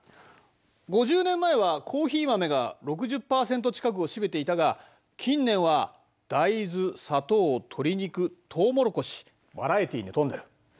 ５０年前はコーヒー豆が６０％近くを占めていたが近年は大豆砂糖鶏肉とうもろこしバラエティーに富んでる。